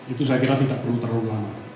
itu saya kira tidak perlu terlalu lama